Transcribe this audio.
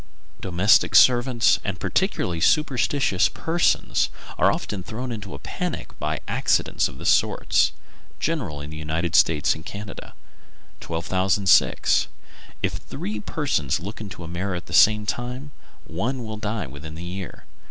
Domestic servants, and particularly superstitious persons, are often thrown into a panic by accidents of this sort. General in the United States and Canada. 1206. If three persons look into a mirror at the same time, one will die within the year.